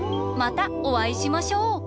またおあいしましょう！